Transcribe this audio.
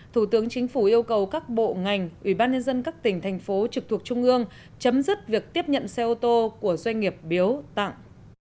thủ tướng chính phủ yêu cầu các bộ ngành ủy ban nhân dân các tỉnh thành phố trực thuộc trung ương chấm dứt việc tiếp nhận xe ô tô của doanh nghiệp biếu tặng